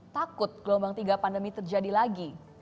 takut gelombang tiga pandemi terjadi lagi